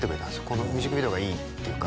このミュージックビデオがいいっていうか